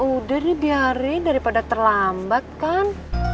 ya udah nih biarin daripada terlambat kan